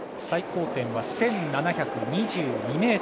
最高点は１７２２ｍ。